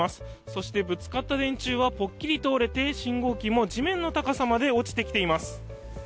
そして、ぶつかった電柱はぽっきりと折れて信号機も地面の高さまで落ちてきています。